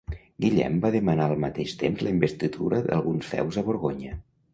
Guillem va demanar al mateix temps la investidura d'alguns feus a Borgonya.